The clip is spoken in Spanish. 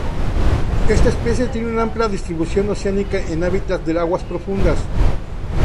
Esta especie tiene una amplia distribución oceánica en hábitats de aguas profundas.